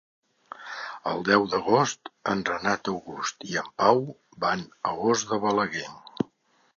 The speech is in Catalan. El deu d'agost en Renat August i en Pau van a Os de Balaguer.